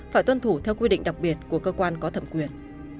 phải tuân thủ theo quy định đặc biệt của cơ quan có thẩm quyền